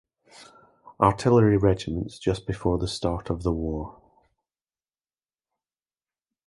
Artillery regiments just before the start of the war.